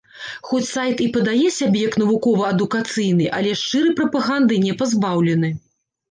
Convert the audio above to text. Хоць сайт і падае сябе як навукова-адукацыйны, але шчырай прапаганды не пазбаўлены.